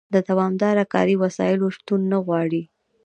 د دوامداره کاري وسایلو شتون نه غواړي.